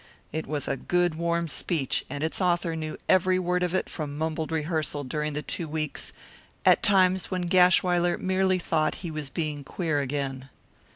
It was a good warm speech, and its author knew every word of it from mumbled rehearsal during the two weeks, at times when Gashwiler merely thought he was being queer again.